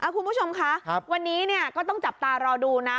คุณผู้ชมคะวันนี้ก็ต้องจับตารอดูนะ